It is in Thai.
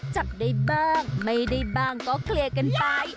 จับได้บ้างไม่ได้บ้างก็เคลียร์กันไป